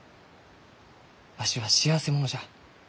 わしは幸せ者じゃ。